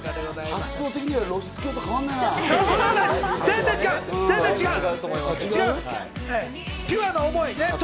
発想的には露出狂と変わらないな。